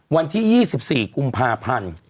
วันที่๒๔กุมภาพันธ์